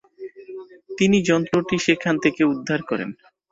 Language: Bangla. তিনি যন্ত্রটি সেখান থেকে উদ্ধার করেন।